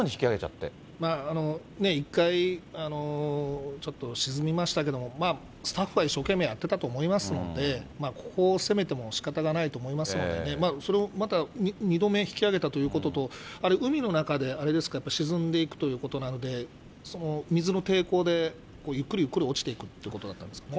あのね、１回ちょっと沈みましたけども、スタッフは一生懸命やってたと思いますので、ここを責めてもしかたがないと思いますのでね、それもまた、二度目引き揚げたということと、あれ、海の中であれですか、沈んでいくということなので、水の抵抗でゆっくりゆっくり落ちていくということだったんですか